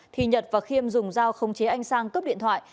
thì nhật và khiêm dùng dao không chế anh sang cướp điện thoại